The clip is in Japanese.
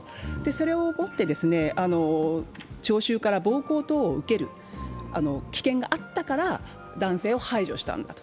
それをもって聴衆から暴行等を受ける危険があったから男性を排除したんだと、